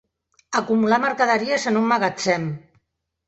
Acumular mercaderies en un magatzem.